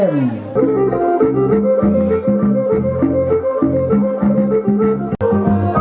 นี่ก็จับนี่